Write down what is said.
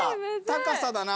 高さだな。